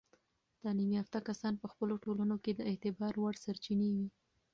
تعلیم یافته کسان په خپلو ټولنو کې د اعتبار وړ سرچینې وي.